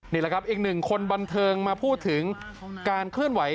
นี่แหละครับอีกหนึ่งคนบันเทิงมาพูดถึงการเคลื่อนไหว